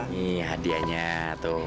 nih hadianya tuh